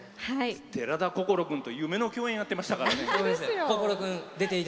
寺田心君と夢の共演してましたから。